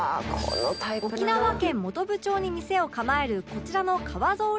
沖縄県本部町に店を構えるこちらの革ぞうり専門店